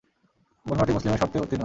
বর্ণনাটি মুসলিমের শর্তে উত্তীর্ণ।